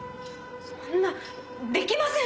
そんなできません！